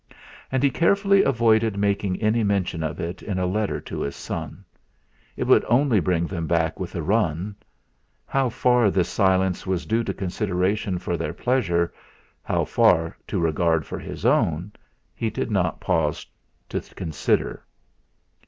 And he carefully avoided making any mention of it in a letter to his son. It would only bring them back with a run! How far this silence was due to consideration for their pleasure, how far to regard for his own, he did not pause to consider.